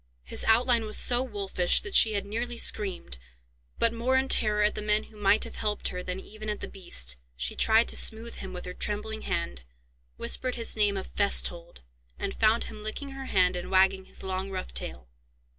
His outline was so wolfish, that she had nearly screamed: but, more in terror at the men who might have helped her than even at the beast, she tried to smooth him with her trembling hand, whispered his name of "Festhold," and found him licking her hand, and wagging his long rough tail.